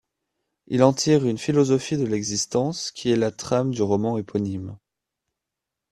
Il en tire une philosophie de l'existence, qui est la trame du roman éponyme.